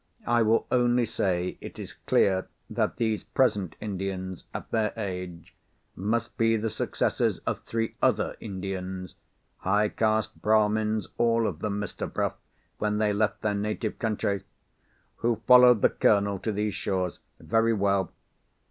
I will only say, it is clear that these present Indians, at their age, must be the successors of three other Indians (high caste Brahmins all of them, Mr. Bruff, when they left their native country!) who followed the Colonel to these shores. Very well.